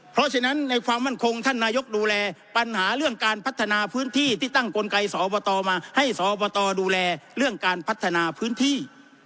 เพราะฉะนั้นในความมั่นคงท่านนายกดูแลปัญหาเรื่องการพัฒนาพื้นที่ที่ตั้งกลไกสอบตมาให้สอบตดูแลเรื่องการพัฒนาพื้นที่